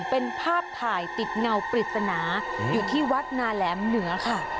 เป็นภาพถ่ายติดเงาปริศนาอยู่ที่วัดนาแหลมเหนือค่ะ